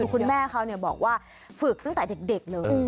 คุณแม่เขาบอกว่าฝึกตั้งแต่เด็กเลย